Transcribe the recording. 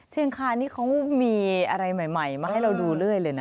คานี่เขามีอะไรใหม่มาให้เราดูเรื่อยเลยนะ